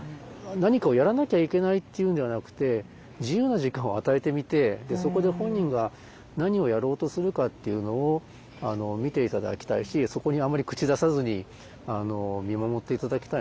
何かをやらなきゃいけないっていうんではなくて自由な時間を与えてみてそこで本人が何をやろうとするかっていうのを見て頂きたいしそこにあんまり口出さずに見守って頂きたいんですよね。